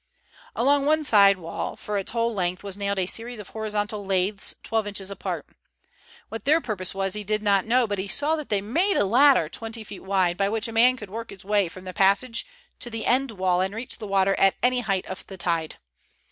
Along one side wall for its whole length was nailed a series of horizontal laths twelve inches apart. What their purpose was he did not know, but he saw that they made a ladder twenty feet wide, by which a man could work his way from the passage to the end wall and reach the water at any height of the tide.